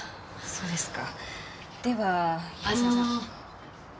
そうですか。